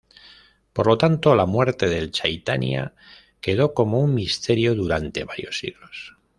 Por lo tanto la muerte del Chaitania quedó como un misterio durante varios siglos.